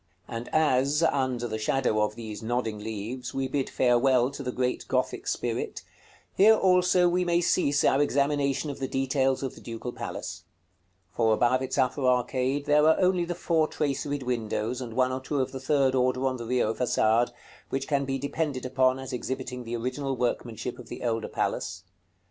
§ CXXXIII. And as, under the shadow of these nodding leaves, we bid farewell to the great Gothic spirit, here also we may cease our examination of the details of the Ducal Palace; for above its upper arcade there are only the four traceried windows, and one or two of the third order on the Rio Façade, which can be depended upon as exhibiting the original workmanship of the older palace.